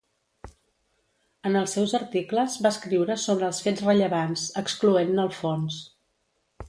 En els seus articles, va escriure sobre els fets rellevants, excloent-ne el fons.